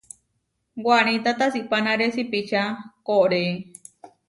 Wanita tasipánare sipiča koʼorée.